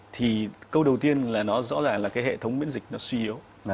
thì câu đầu tiên là nó rõ ràng là cái hệ thống miễn dịch nó suy yếu